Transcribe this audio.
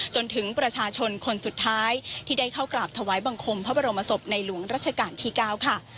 จนถึงประชาชนคนสุดท้ายที่ได้เข้ากราบถวายบังคมพระบรมศพในหลวงรัชกาลที่๙ค่ะ